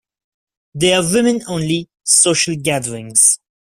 They are women-only social gatherings.